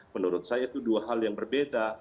menurut saya itu dua hal yang berbeda